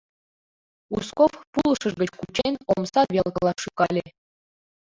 Узков, пулышыж гыч кучен, омса велкыла шӱкале.